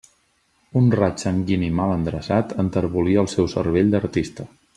Un raig sanguini mal endreçat enterbolí el seu cervell d'artista.